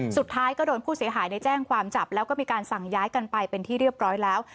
สุดท้ายก็โดนผู้เสียหายในแจ้งความจับแล้วก็มีการสั่งย้ายกันไปเป็นที่เรียบร้อยแล้ว